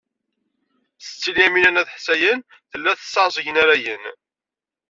Setti Lyamina n At Ḥsayen tella tesseɛẓag inaragen.